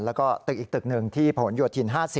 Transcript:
แล้วก็ตึกอีกตึกหนึ่งที่ผนโยธิน๕๐